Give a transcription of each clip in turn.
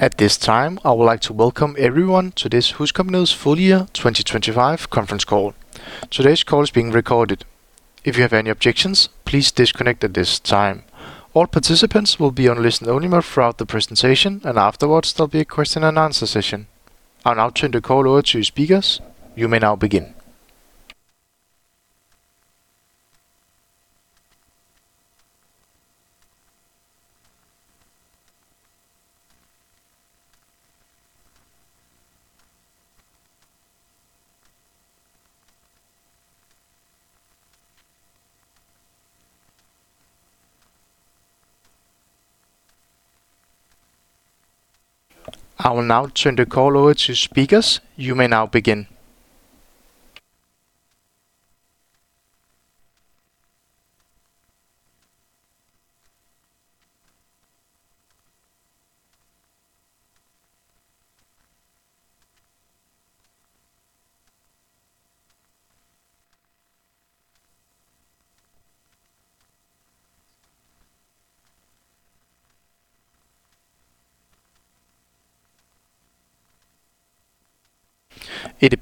At this time, I would like to welcome everyone to this HusCompagniet's full year 2025 conference call. Today's call is being recorded. If you have any objections, please disconnect at this time. All participants will be on listen only mode throughout the presentation, and afterwards there'll be a question and answer session. I will now turn the call over to speakers. You may now begin.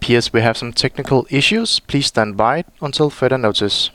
It appears we have some technical issues. Please stand by until further notice.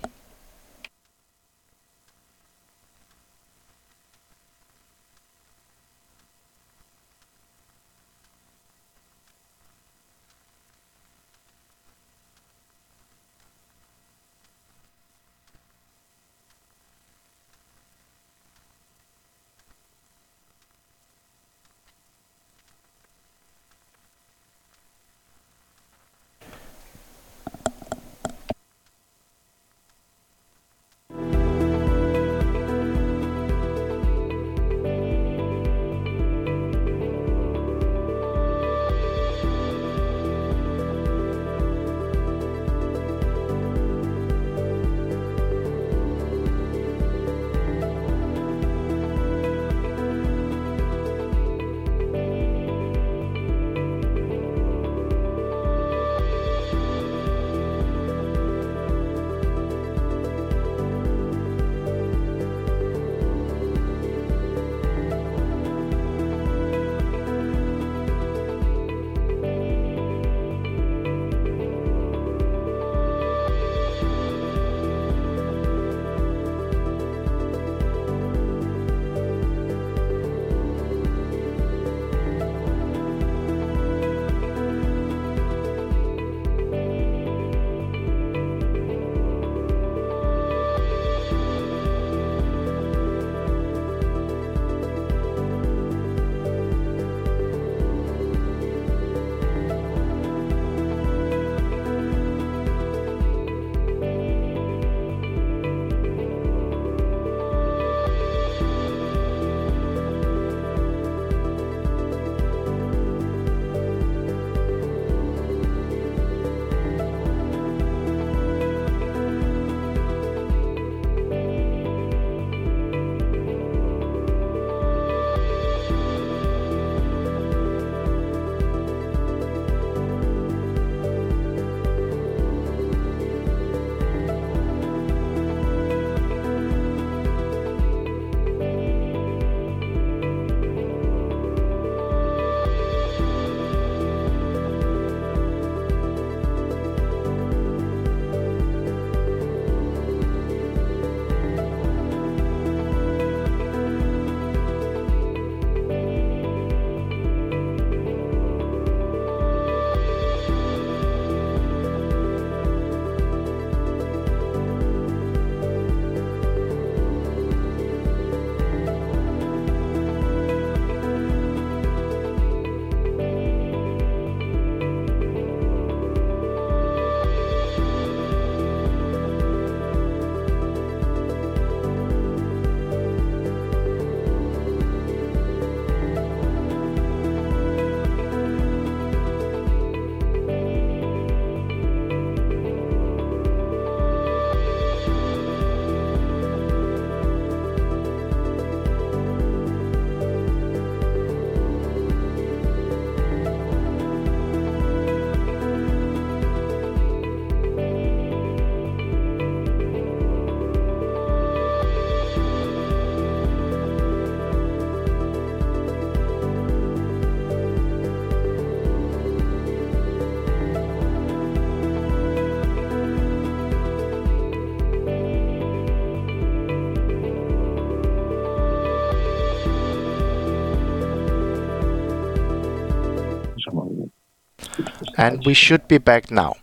We should be back now.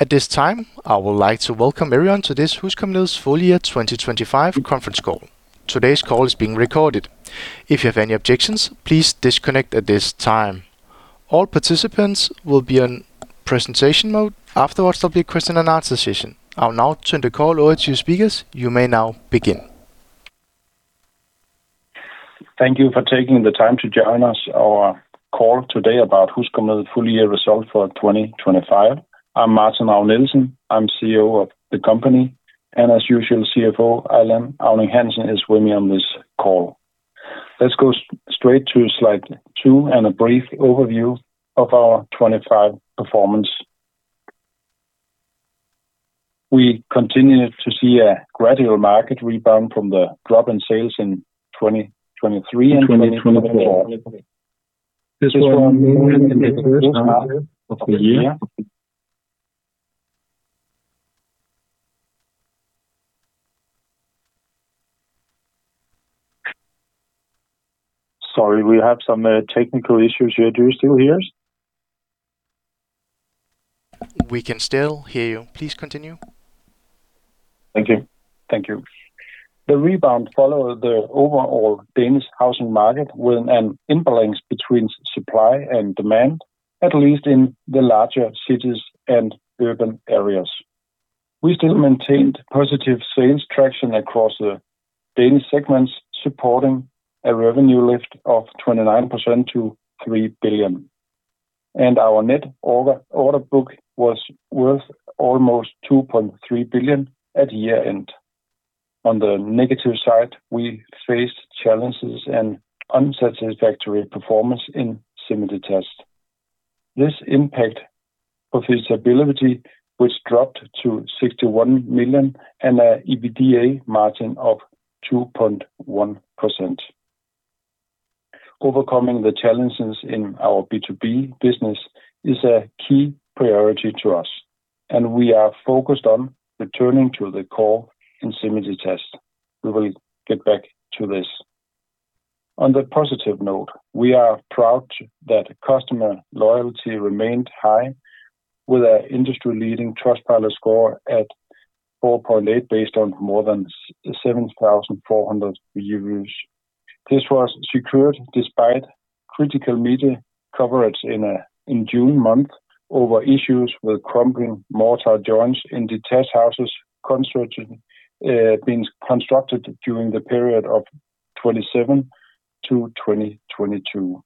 At this time, I would like to welcome everyone to this HusCompagniet's full year 2025 conference call. Today's call is being recorded. If you have any objections, please disconnect at this time. All participants will be on presentation mode. Afterwards, there'll be a question and answer session. I'll now turn the call over to speakers. You may now begin. Thank you for taking the time to join us. Our call today is about HusCompagniet’s full-year results for 2025. I’m Martin Ravn-Nielsen, CEO of the company, and as usual, CFO Allan Auning-Hansen is with me on this call. Let’s go straight to slide 2 for a brief overview of our 2025 performance. We continued to see a gradual market rebound from the drop in sales in 2023 and 2024, mainly in the first half of the year. Sorry, we have some technical issues here. Do you still hear us? We can still hear you. Please continue. Thank you. The rebound followed the overall Danish housing market, with an imbalance between supply and demand, especially in larger cities and urban areas. We maintained positive sales traction across the Danish segments, supporting a revenue lift of 29% to 3 billion. Our net order book was worth almost 2.3 billion at year-end. On the negative side, we faced challenges and unsatisfactory performance in semi-detached houses. This impacted profitability, which dropped to 61 million, with an EBITDA margin of 2.1%. Overcoming the challenges in our B2B business is a key priority, and we are focused on returning to the core in semi-detached. We will get back to this. On a positive note, customer loyalty remained high with our industry-leading Trustpilot score of 4.8, based on more than 7,400 reviews. This was maintained despite critical media coverage in June regarding issues with crumbling mortar joints in detached houses constructed between 2017 and 2022.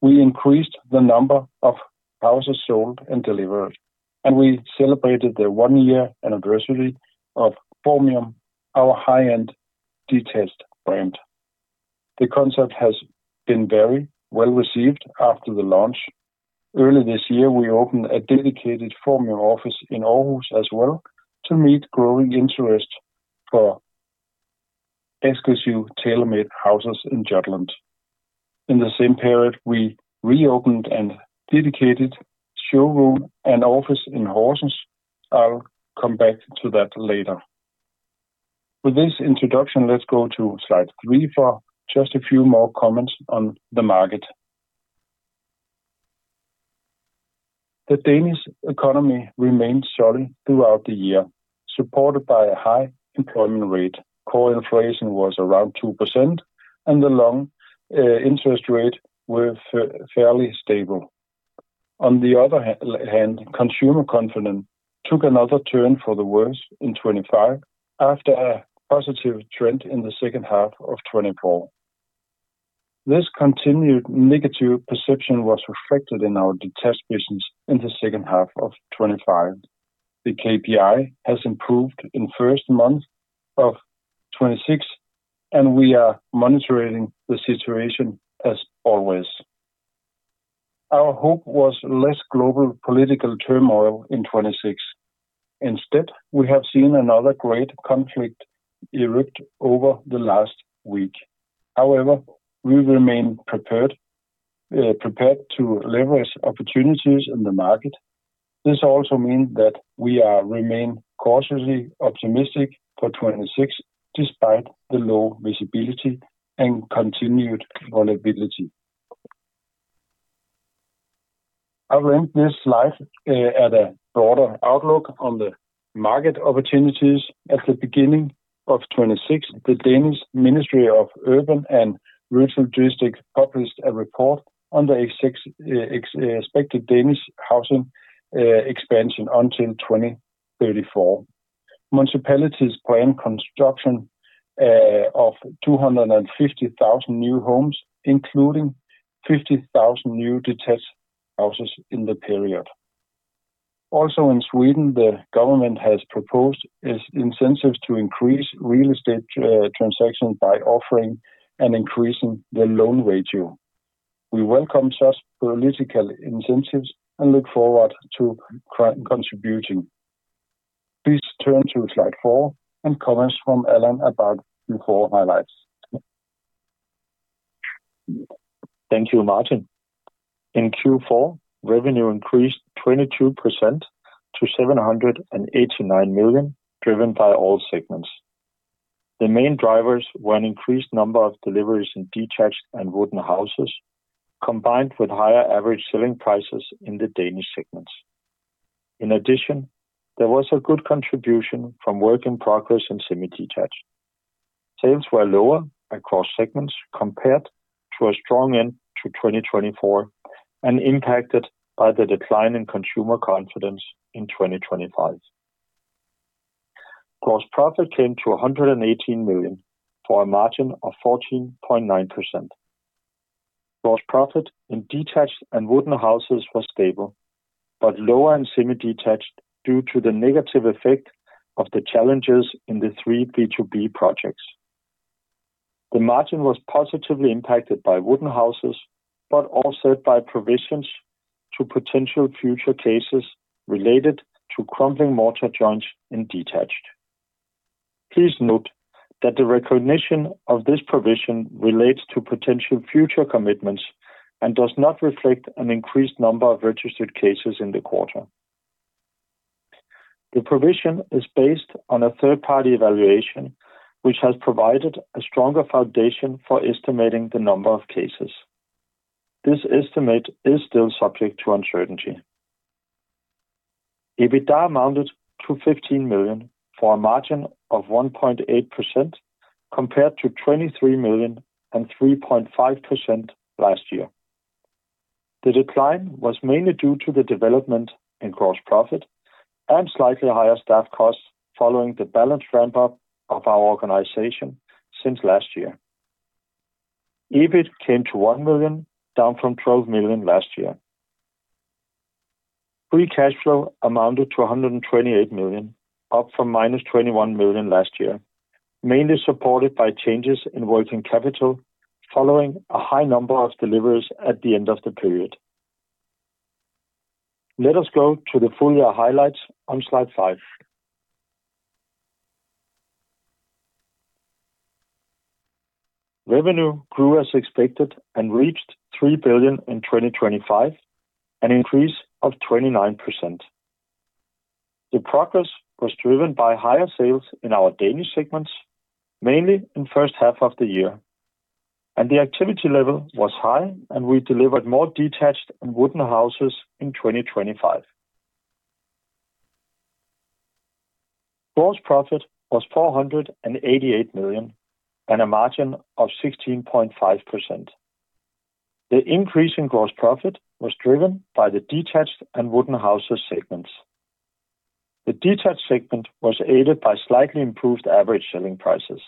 We increased the number of houses sold and delivered. We celebrated the one-year anniversary of Formium, our high-end detached brand, which has been very well received. Early this year, we opened a dedicated Formium office in Aarhus to meet growing interest in exclusive, tailor-made houses in Jutland. In the same period, we reopened a dedicated showroom and office in Horsens. I’ll come back to that later. With this introduction, let’s go to slide 3 for a few more comments on the market. The Danish economy remained solid throughout the year, supported by a high employment rate. Core inflation was around 2%, and long-term interest rates were fairly stable. However, consumer confidence worsened in 2025 after a positive trend in the second half of 2024. This continued negative perception was reflected in our detached business in the second half of 2025. KPIs improved in the first month of 2026, and we are monitoring the situation. We had hoped for less global political turmoil in 2026, but another major conflict erupted last week. We remain prepared to leverage opportunities in the market. This means we remain cautiously optimistic for 2026, despite low visibility and continued volatility. I’ll end this slide with a broader outlook on market opportunities. At the beginning of 2026, the Danish Ministry of Urban and Rural District published a report on expected Danish housing expansion until 2034. Municipalities plan to construct 250,000 new homes, including 50,000 detached houses during this period. In Sweden, the government has proposed incentives to increase real estate transactions by offering higher loan ratios. We welcome these political incentives and look forward to contributing. Please turn to slide four for Allan’s comments on Q4 highlights. Thank you, Martin. In Q4, revenue increased 22% to 789 million, driven by all segments. The main drivers were an increased number of deliveries in detached and wooden houses, combined with higher average selling prices in the Danish segments. In addition, there was a good contribution from work in progress in semi-detached. Sales were lower across segments compared to a strong end to 2024 and impacted by the decline in consumer confidence in 2025. Gross profit came to 118 million for a margin of 14.9%. Gross profit in detached and wooden houses was stable, but lower in semi-detached due to the negative effect of the challenges in the three B2B projects. The margin was positively impacted by wooden houses, but also by provisions for potential future cases related to crumbling mortar joints in detached. Please note that the recognition of this provision relates to potential future commitments and does not reflect an increased number of registered cases in the quarter. The provision is based on a third-party evaluation, which has provided a stronger foundation for estimating the number of cases. This estimate is still subject to uncertainty. EBITDA amounted to 15 million for a margin of 1.8% compared to 23 million and 3.5% last year. The decline was mainly due to the development in gross profit and slightly higher staff costs following the balanced ramp-up of our organization since last year. EBIT came to 1 million, down from 12 million last year. Free cash flow amounted to 128 million, up from -21 million last year, mainly supported by changes in working capital following a high number of deliveries at the end of the period. Let us go to the full-year highlights on slide five. Revenue grew as expected and reached 3 billion in 2025, an increase of 29%. The progress was driven by higher sales in our Danish segments, mainly in the first half of the year, and the activity level was high, and we delivered more detached and wooden houses in 2025. Gross profit was 488 million with a margin of 16.5%. The increase in gross profit was driven by the detached and wooden houses segments. The detached segment was aided by slightly improved average selling prices.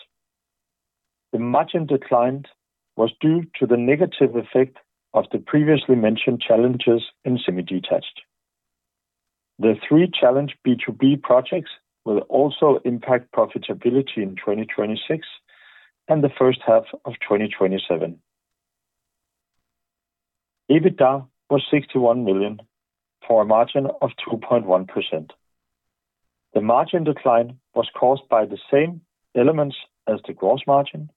The margin decline was due to the negative effect of the previously mentioned challenges in semi-detached. The three challenged B2B projects will also impact profitability in 2026 and the first half of 2027. EBITDA was 61 million for a margin of 2.1%. The margin decline was caused by the same elements as the gross margin,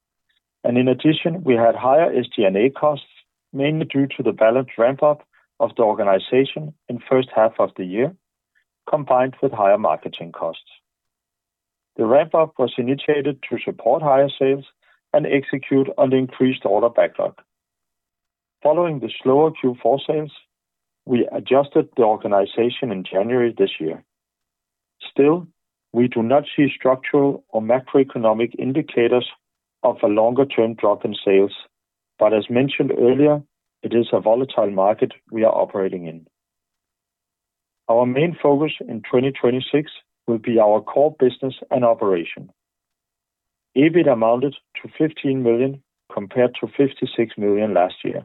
and in addition, we had higher SG&A costs, mainly due to the balanced ramp-up of the organization in the first half of the year, combined with higher marketing costs. The ramp-up was initiated to support higher sales and execute on the increased order backlog. Following the slower Q4 sales, we adjusted the organization in January this year. Still, we do not see structural or macroeconomic indicators of a longer-term drop in sales, but as mentioned earlier, it is a volatile market we are operating in. Our main focus in 2026 will be our core business and operation. EBIT amounted to 15 million compared to 56 million last year.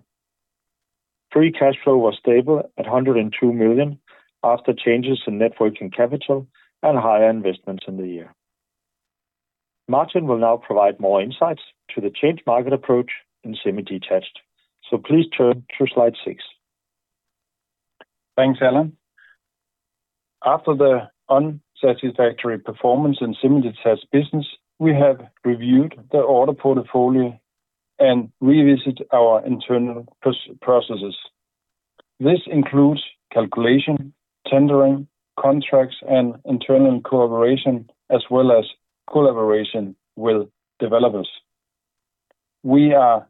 Free cash flow was stable at 102 million after changes in net working capital and higher investments in the year. Martin will now provide more insights into the changed market approach in semi-detached. Please turn to slide 6. Thanks, Allan. After the unsatisfactory performance in the semi-detached business, we have reviewed the order portfolio and revisited our internal processes. This includes calculation, tendering, contracts, and internal cooperation, as well as collaboration with developers. We are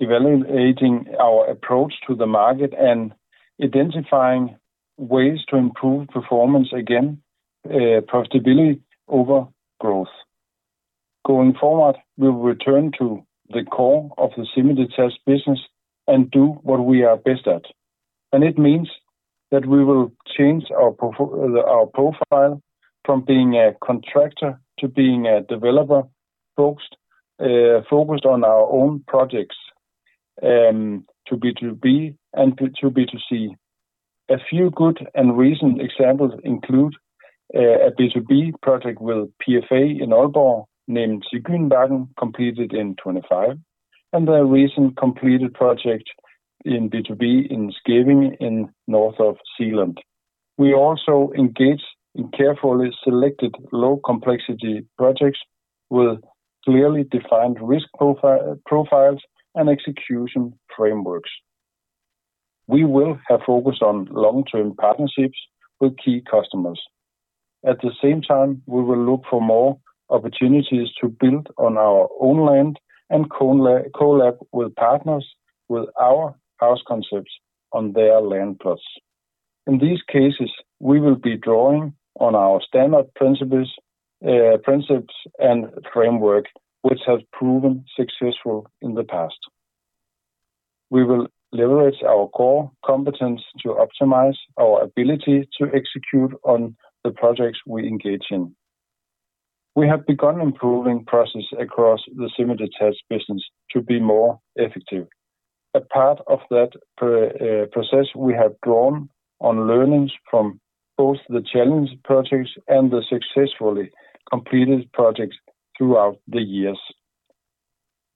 evaluating our approach to the market and identifying ways to improve performance again, prioritizing profitability over growth. Going forward, we will return to the core of the semi-detached business and do what we are best at. This means that we will change our profile from being a contractor to being a developer focused on our own projects, B2B, and B2C. A few good and recent examples include a B2B project with PFA in Aalborg named Søgreenbakken, completed in 2025, and a recently completed B2B project in Skævinge in the north of Zealand. We also engage in carefully selected low-complexity projects with clearly defined risk profiles and execution frameworks. We will focus on long-term partnerships with key customers. At the same time, we will look for more opportunities to build on our own land and collaborate with partners with our house concepts on their land plots. In these cases, we will be drawing on our standard principles and framework, which have proven successful in the past. We will leverage our core competence to optimize our ability to execute on the projects we engage in. We have begun improving processes across the semi-detached business to be more effective. As part of that process, we have drawn on learnings from both the challenged projects and the successfully completed projects throughout the years.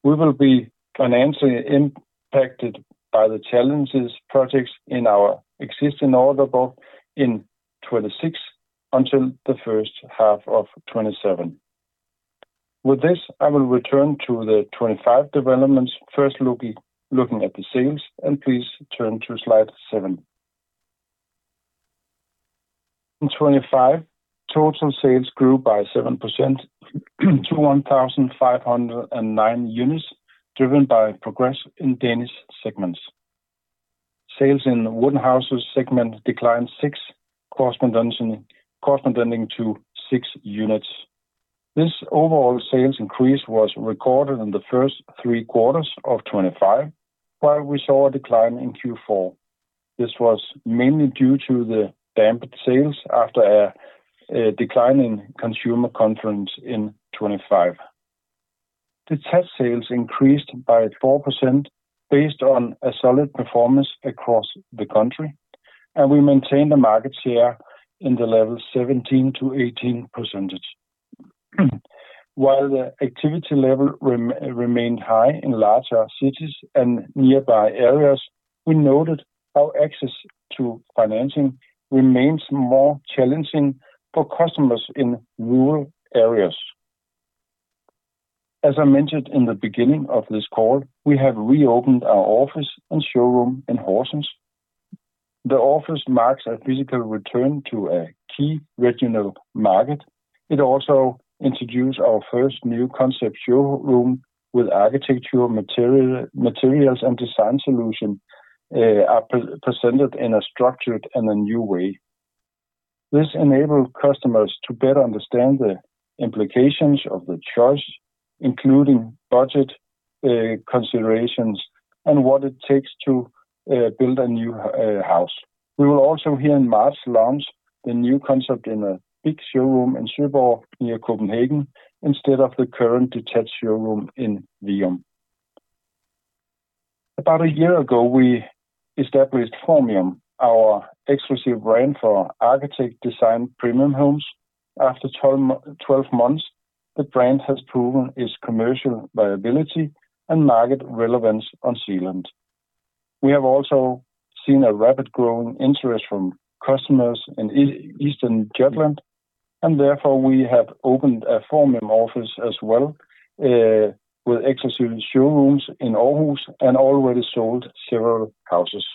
We will be financially impacted by the challenged projects in our existing order book in 2026 until the first half of 2027. With this, I will return to the 2025 developments, looking at sales, and please turn to slide 7. In 2025, total sales grew by 7% to 1,509 units, driven by progress in Danish segments. Sales in the wooden houses segment declined by 6 units. This overall sales increase was recorded in the first three quarters of 2025, while we saw a decline in Q4. This was mainly due to dampened sales after declining consumer confidence in 2025. Detached sales increased by 4% based on solid performance across the country, and we maintained a market share at the level of 17%-18%. While the activity level remained high in larger cities and nearby areas, we noted that access to financing remains more challenging for customers in rural areas. As I mentioned at the beginning of this call, we have reopened our office and showroom in Horsens. The office marks a physical return to a key regional market. It also introduced our first new concept showroom with architectural materials and design solutions pre-presented in a structured and new way. This enabled customers to better understand the implications of their choices, including budget considerations and what it takes to build a new house. We will also, here in March, launch the new concept in a large showroom in Søborg near Copenhagen instead of the current detached showroom in Virum. About a year ago, we established FORMIUM, our exclusive brand for architect-designed premium homes. After 12 months, the brand has proven its commercial viability and market relevance on Zealand. We have also seen rapidly growing interest from customers in Eastern Jutland, and therefore we have opened a FORMIUM office as well, with exclusive showrooms in Aarhus and have already sold several houses.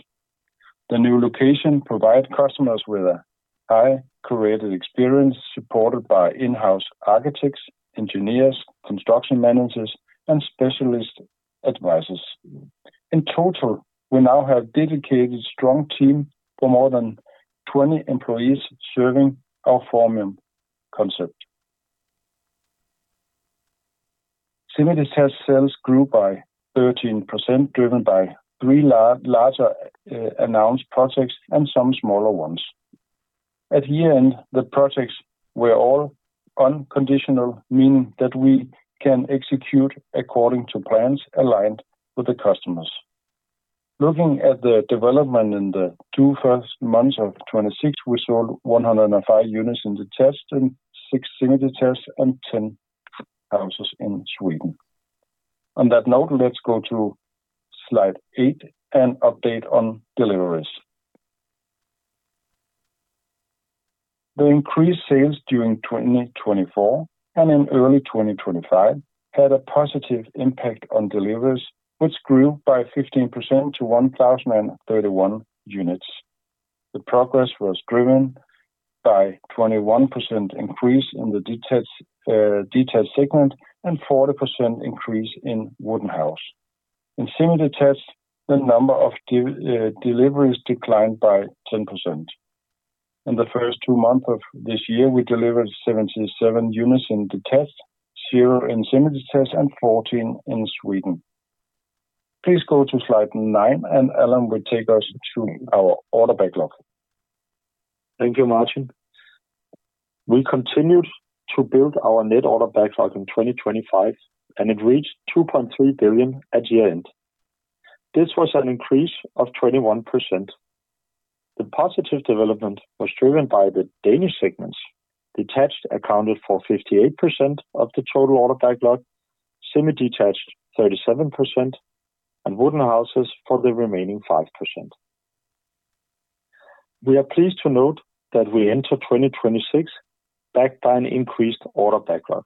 The new location provides customers with a highly curated experience supported by in-house architects, engineers, construction managers, and specialist advisors. In total, we now have a dedicated strong team of more than 20 employees serving our FORMIUM concept. Semi-detached sales grew by 13%, driven by 3 larger announced projects and some smaller ones. At year-end, the projects were all unconditional, meaning that we can execute according to plans aligned with the customers. Looking at the development in the first two months of 2026, we sold 105 units in detached, 6 semi-detached, and 10 houses in Sweden. Let's go to slide 8 for an update on deliveries. The increased sales during 2024 and early 2025 had a positive impact on deliveries, which grew by 15% to 1,031 units. The progress was driven by a 21% increase in the detached segment and a 40% increase in wooden houses. In semi-detached, the number of deliveries declined by 10%. In the first two months of this year, we delivered 77 units in detached, 0 in semi-detached, and 14 in Sweden. Please go to slide 9; Allan will take us through our order backlog. Thank you, Martin. We continued to build our net order backlog in 2025, and it reached 2.3 billion at year-end, an increase of 21%. The positive development was driven by the Danish segments. Detached accounted for 58% of the total order backlog, semi-detached 37%, and wooden houses the remaining 5%. We are pleased to note that we enter 2026 backed by an increased order backlog.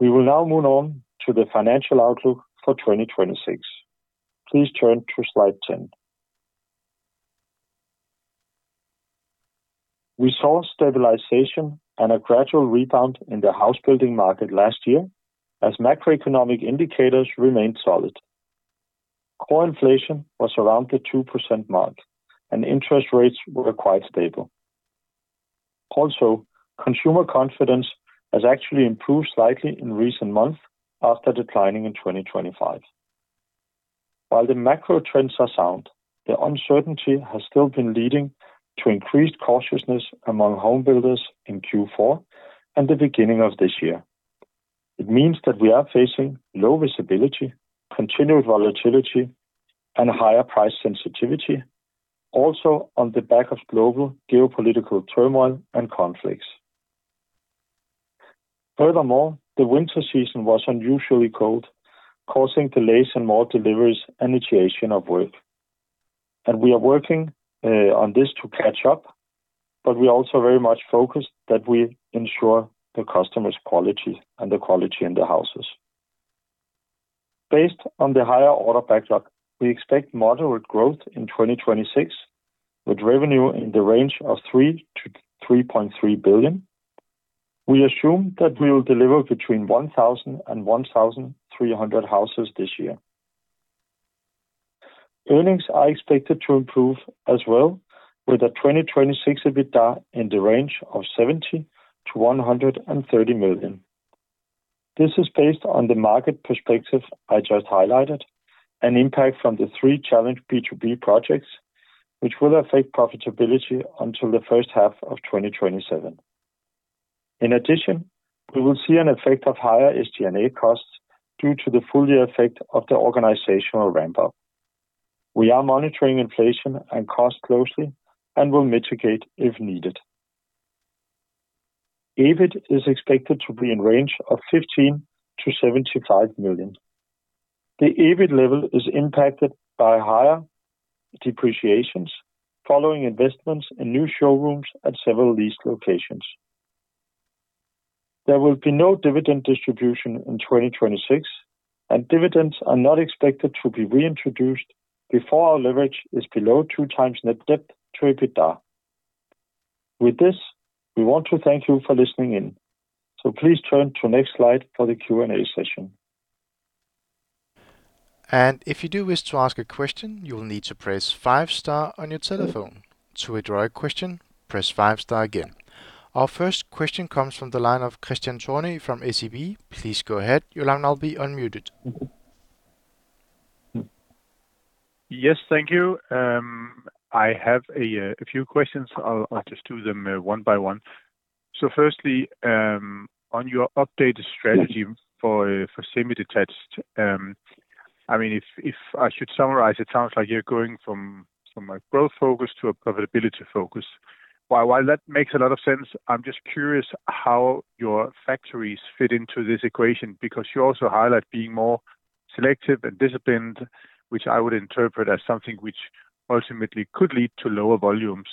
We will now move on to the financial outlook for 2026. Please turn to slide 10. We saw stabilization and a gradual rebound in the house-building market last year as macroeconomic indicators remained solid. Core inflation was around 2%, and interest rates were quite stable. Consumer confidence has actually improved slightly in recent months after declining in 2025. While the macro trends are sound, the uncertainty has still led to increased cautiousness among homebuilders in Q4 and the beginning of this year. It means that we are facing low visibility, continued volatility, and higher price sensitivity, also on the back of global geopolitical turmoil and conflicts. Furthermore, the winter season was unusually cold, causing delays in some deliveries and initiation of work. We are working on this to catch up, but we are also very focused on ensuring the customer's quality and the quality of the houses. Based on the higher order backlog, we expect moderate growth in 2026, with revenue in the range of 3 billion–3.3 billion. We assume that we will deliver between 1,000 and 1,300 houses this year. Earnings are expected to improve as well, with a 2026 EBITDA in the range of 70 million–130 million. This is based on the market perspective I just highlighted, and an impact from the three challenged B2B projects which will affect profitability until the first half of 2027. In addition, we will see an effect of higher SG&A costs due to the full-year effect of the organizational ramp-up. We are monitoring inflation and costs closely and will mitigate if needed. EBIT is expected to be in the range of 15 million–75 million. The EBIT level is impacted by higher depreciation following investments in new showrooms at several leased locations. There will be no dividend distribution in 2026, and dividends are not expected to be reintroduced before our leverage is below 2 times net debt to EBITDA. With this, we want to thank you for listening in. Please turn to the next slide for the Q&A session. If you wish to ask a question, you will need to press 5 star on your telephone. To withdraw your question, press 5 star again. Our first question comes from the line of Kristian Tornøe from SEB. Please go ahead. Your line will now be unmuted. Yes, thank you. I have a few questions. I'll just do them one by one. Firstly, on your updated strategy for semi-detached, it sounds like you're going from a growth focus to a profitability focus. While that makes sense, I'm curious how your factories fit into this equation, because you also highlight being more selective and disciplined. I would interpret this as something which could ultimately lead to lower volumes,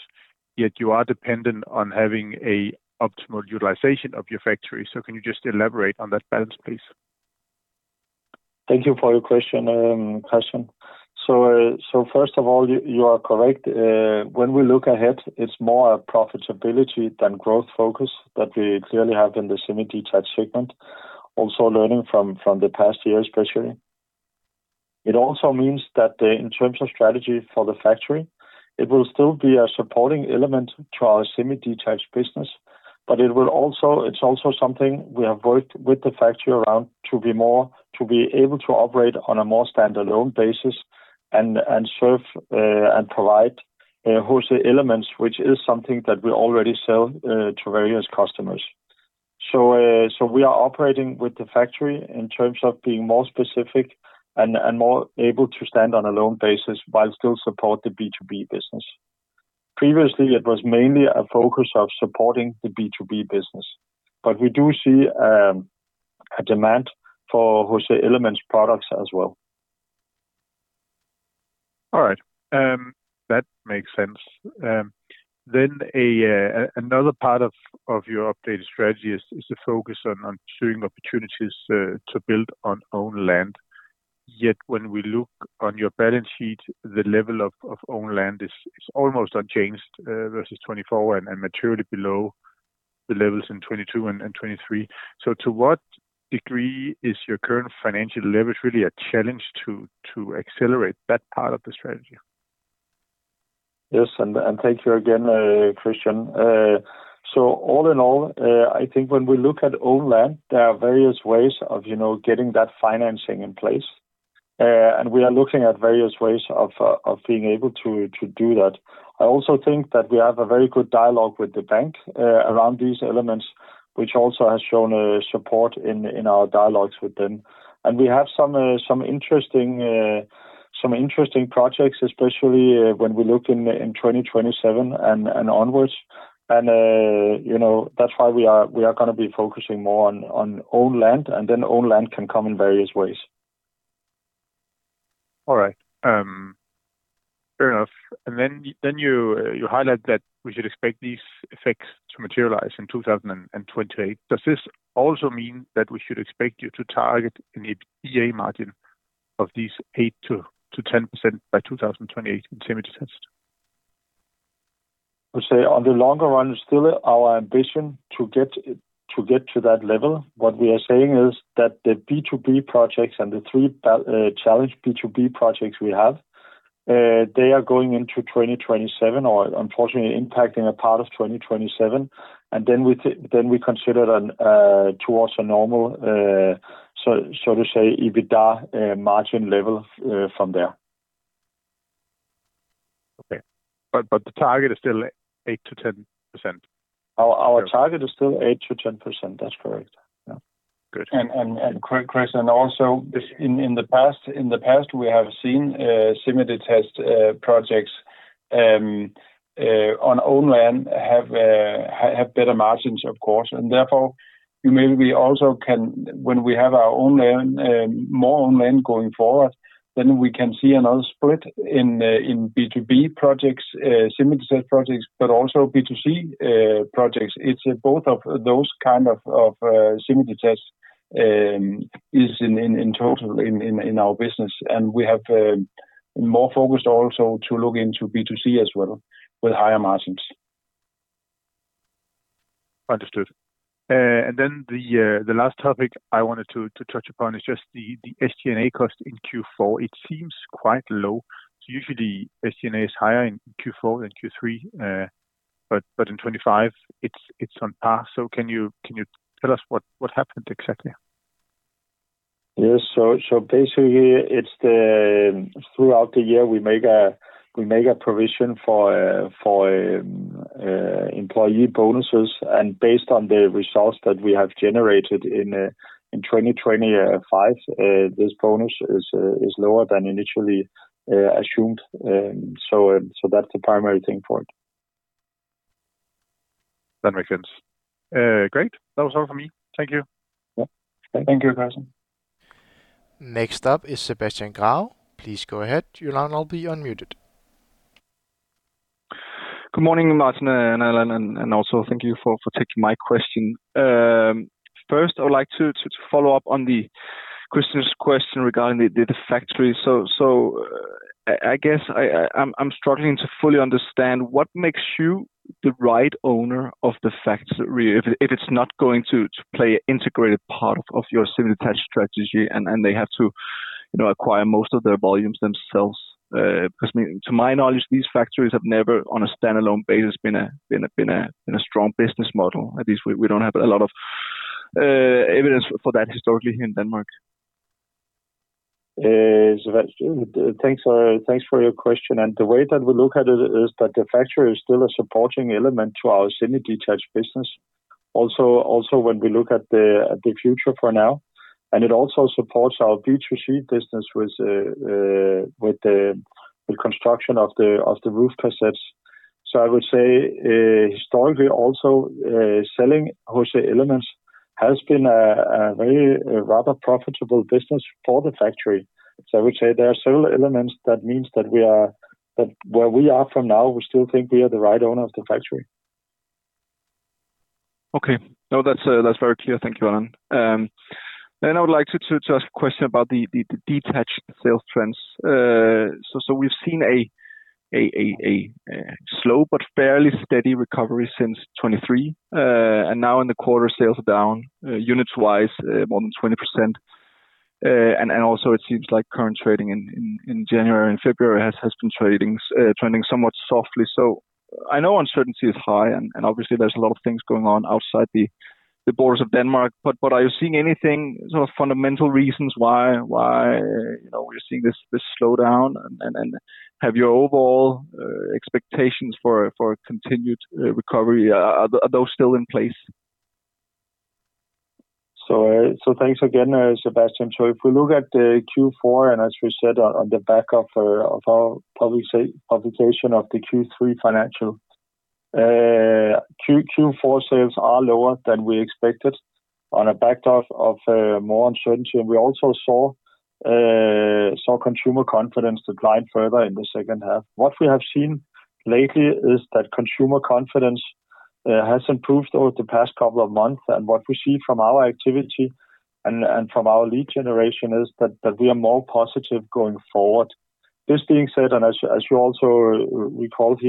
yet you are dependent on having optimal utilization of your factory. Can you elaborate on that balance, please? Thank you for your question, Christian. First of all, you are correct. When we look ahead, it's more a profitability than growth focus that we clearly have in the semi-detached segment, also learning from the past year. It also means that, in terms of strategy for the factory, it will still be a supporting element to our semi-detached business. It's something we have worked on with the factory to operate on a more standalone basis and provide wholesale elements, which we already sell to various customers. We are operating the factory in a way that allows it to stand on its own while still supporting the B2B business. Previously, it was mainly focused on supporting the B2B business, but we do see demand for wholesale elements products as well. All right. That makes sense. Another part of your updated strategy is the focus on pursuing opportunities to build on own land. Yet, when we look at your balance sheet, the level of own land is almost unchanged versus 2024 and materially below the levels in 2022 and 2023. To what degree is your current financial leverage a challenge to accelerate that part of the strategy? Yes, thank you again, Christian. All in all, I think regarding own land, there are various ways to get that financing in place. We are exploring different options. I also think that we have very good dialogue with the bank on these elements, which has shown support in our discussions. We have some interesting projects, especially when we look at 2027 and onwards. That's why we are going to focus more on own land, which can come in various ways. All right. Fair enough. Then you highlight that we should expect these effects to materialize in 2028. Does this also mean that we should expect you to target an EBITDA margin of 8%–10% by 2028 in semi-detached? I would say, in the longer run, it's still our ambition to reach that level. The three challenged B2B projects will unfortunately impact part of 2027, and from there, we consider returning toward a normal, so to say, EBITDA margin level. Okay. The target is still 8%–10%? Our target is still 8% to 10%. That's correct. Good. Chris, also, in the past, we have seen semi-detached projects on own land have better margins. Therefore, as we acquire more own land going forward, we can see another split: B2B projects, semi-detached projects, and B2C projects. Both semi-detached and B2C are integral to our business. We are also more focused on B2C going forward, as it provides higher margins. Understood. The last topic I wanted to touch upon is the SG&A cost in Q4. It seems quite low. Usually, SG&A is higher in Q4 than Q3. In 2025, it's on par. Can you explain what happened exactly? Yes. Basically, throughout the year, we make a provision for employee bonuses, and based on the results generated in 2025, this bonus is lower than initially assumed. That’s the primary reason. That makes sense. Great. That was all for me. Thank you. Yeah. Thank you, Kristian. Next up is Sebastian Grave. Please go ahead. You are now unmuted. Good morning, Martin and Allan, and thank you for taking my question. First, I would like to follow up on Kristian's question regarding the factory. I’m struggling to fully understand what makes you the right owner of the factory if it is not going to play an integrated part of your semi-detached strategy and has to acquire most of its volumes itself. To my knowledge, these factories have never been a strong standalone business model. At least, there is little evidence for that historically in Denmark. Thanks for your question. The factory is still a supporting element to our semi-detached business. Looking ahead, it also supports our B2C business with the construction of roof cassettes. Historically, selling HC Elements has been a rather profitable business for the factory. There are several reasons why, from our current perspective, we still believe we are the right owner of the factory. Okay. That’s very clear. Thank you, Allan. Then I would like to ask about detached sales trends. We've seen a slow but fairly steady recovery since 2023. Now, in the quarter, sales are down by more than 20% units-wise. Also, current trading in January and February seems somewhat soft. I know uncertainty is high, with many factors outside Denmark. Are there fundamental reasons for this slowdown? Are your overall expectations for continued recovery still in place? Thanks again, Sebastian. Looking at Q4, as we mentioned in our Q3 financial publication, Q4 sales were lower than expected against a backdrop of greater uncertainty. Consumer confidence declined further in the second half of 2025. Lately, consumer confidence has improved over the past couple of months. From our activity and lead generation, we are more positive going forward. That said, as you recalled,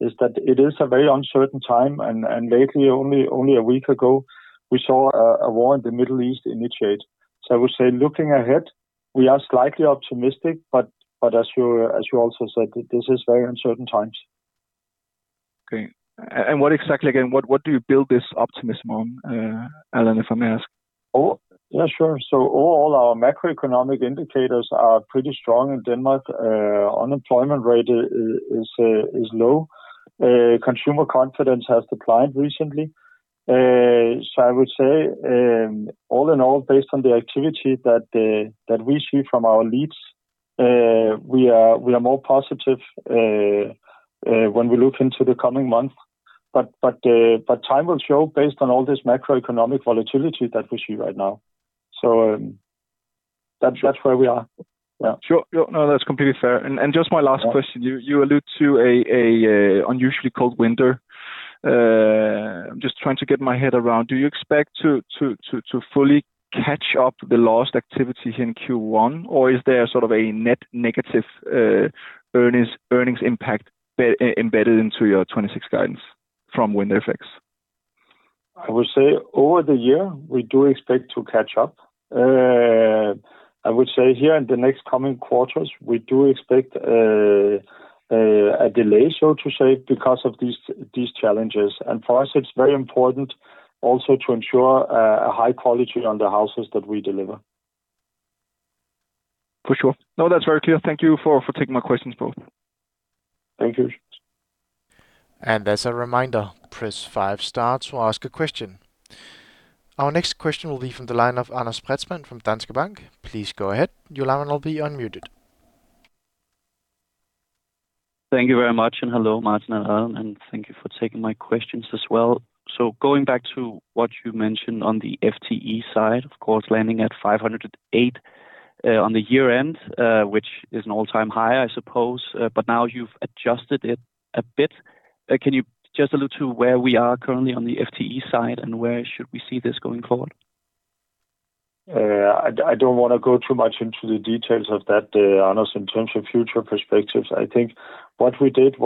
it remains a very uncertain time, and only a week ago, a war in the Middle East initiated. Looking ahead, we are slightly optimistic, but as you said, these remain very uncertain times. Okay. Can you explain what this optimism is based on, Allan, if I may ask? Sure. All macroeconomic indicators in Denmark are quite strong. The unemployment rate is low. Consumer confidence has declined recently. Overall, based on activity from our leads, we are more positive when looking into the coming months. Time will show, given the macroeconomic volatility we see right now. That’s our current stance. That’s fair. One last question: you mentioned an unusually cold winter. Do you expect to fully catch up the lost activity in Q1, or is there a net negative earnings impact embedded in your 2026 guidance due to winter effects? Over the year, we expect to catch up. In the coming quarters, we do expect a delay due to these challenges. It is very important for us to ensure high quality in the houses we deliver. For sure. That’s very clear. Thank you for taking my questions. Thank you. As a reminder, press 5 star to ask a question. Our next question will be from Anders Pretzman from Danske Bank. Please go ahead. Your line will be unmuted. Thank you very much. Hello, Martin and Allan, and thank you for taking my questions. Regarding FTEs, landing at 508 at year-end is an all-time high. You’ve adjusted it slightly. Can you indicate where we currently are on FTEs and what we should expect going forward? I won’t go too much into details, Anders, regarding future perspectives. The 508 FTEs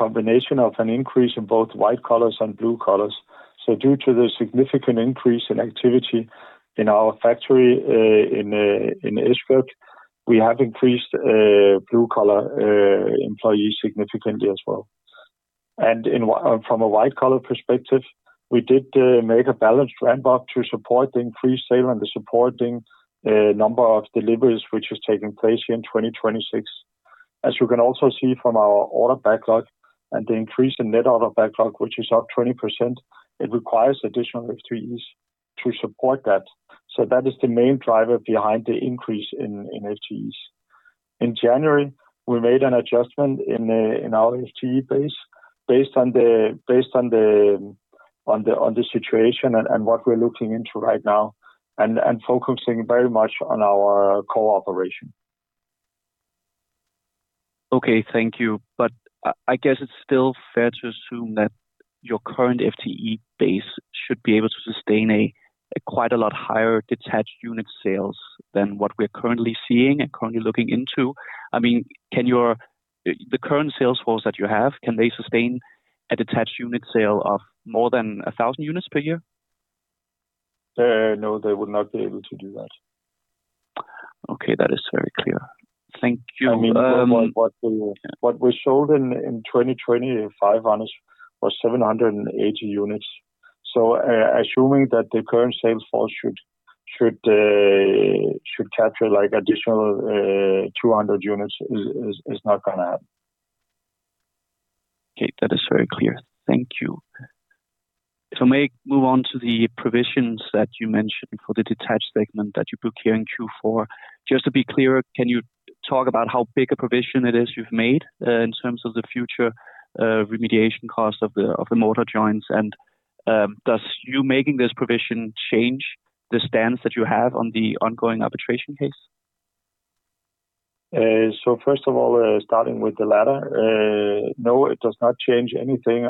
combine increases in both white-collar and blue-collar employees. Due to higher activity in our Esbjerg factory, blue-collar employees increased significantly. White-collar ramp-up was balanced to support increased sales and deliveries in 2026. As seen from the order backlog, which is up 20%, additional FTEs are required to support this growth. That is the main driver behind the FTE increase. In January, we adjusted the FTE base based on the current situation, focusing strongly on our core operations. Thank you. It seems fair to assume that your current FTE base could support significantly higher detached unit sales than currently observed. Can the current sales force sustain detached unit sales above 1,000 units per year? No, they would not be able to do that. Okay. That is very clear. Thank you. In 2025, we sold 780 units. Assuming the current sales force captures an additional 200 units is unrealistic. That is very clear. If I may, regarding provisions for the detached segment in Q4, can you clarify the size of the provision for future mortar joint remediation? Does this provision change your stance on the ongoing arbitration case? First, no, it does not change anything.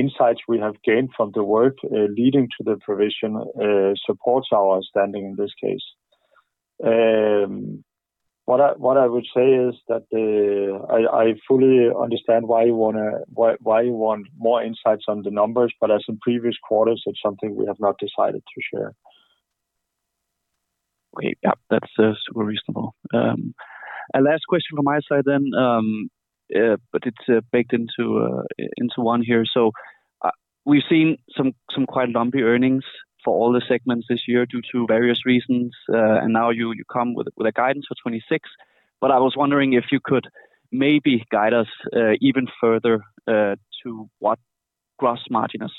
Insights from the work leading to the provision support our standing in the case. I understand the desire for more detail, but as in previous quarters, we have not decided to share specific numbers. Okay. That’s reasonable. One last question: 2025 earnings were lumpy across segments. With your 2026 guidance, can you provide assumptions on gross margins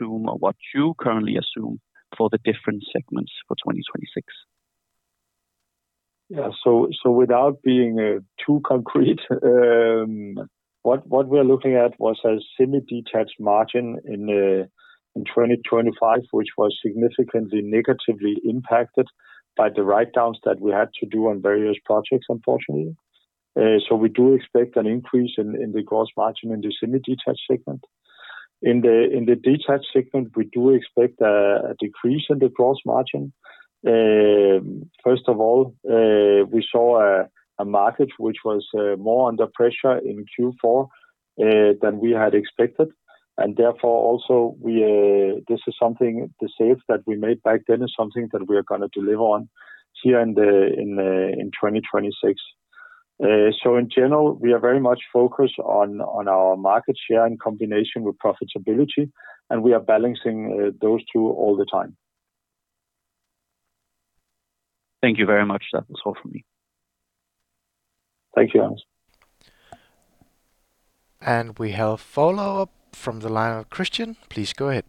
or what you currently assume for the different segments? Without being too concrete: the semi-detached margin in 2025 was negatively impacted by write-downs on various projects. We expect an increase in the semi-detached gross margin. In the detached segment, we expect a decrease in gross margin due to greater market pressure in Q4 than expected, and the corrective measures we implemented then will be delivered in 2026. In general, we focus on market share in combination with profitability, and we continuously balance the two. Thank you very much. That was all for me. Thank you, Anders. We have a follow-up from Kristian Tornøe. Please go ahead.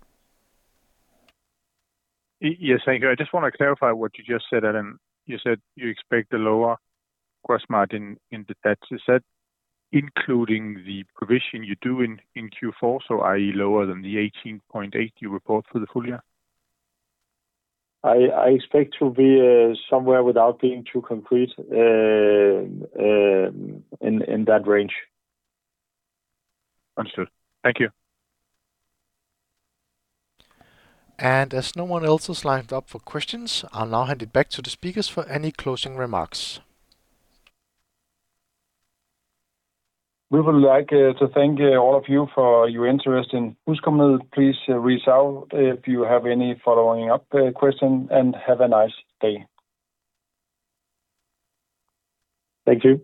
Yes. Thank you. I just want to clarify, Allan. You said you expect a lower gross margin in detached. Does that include the Q4 provision, i.e., lower than the 18.8% reported for the full year? I expect it to be somewhere in that range, without being too concrete. Understood. Thank you. As no one else is lined up for questions, I’ll now hand back to the speakers for closing remarks. We thank you for your interest in HusCompagniet. Please reach out with any follow-up questions, and have a nice day. Thank you.